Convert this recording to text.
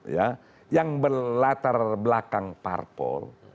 ya yang berlatar belakang parpol